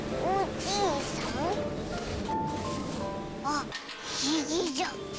あっひげじゃ！